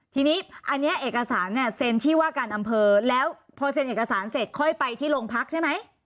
ทีนี้อันนี้เอกสารเนี่ยเซ็นที่ว่าการอำเภอแล้วพอเซ็นเอกสารเสร็จค่อยไปที่โรงพักใช่ไหม